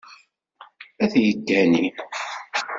Ad teggani.